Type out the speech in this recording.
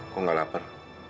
kok gak lapar